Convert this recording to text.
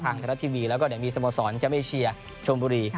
ทางคณะทีวีแล้วก็เดี๋ยวมีฟุตซอร์จิงชัมป์อาเซียนเชียร์ชมบุรี